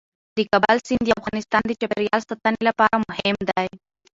د کابل سیند د افغانستان د چاپیریال ساتنې لپاره مهم دی.